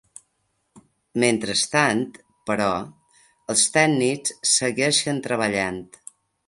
Mentrestant, però, els tècnics segueixen treballant.